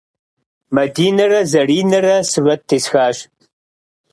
Мадинэрэ Заринэрэ сурэт тесхащ.